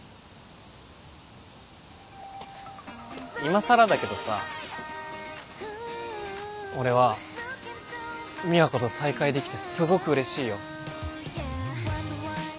今更だけどさ俺は美和子と再会できてすごくうれしいよ。